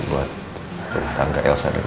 buat rumah tangga elsa dan nino